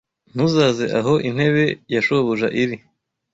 ntuzaze aho intebe ya shobuja iri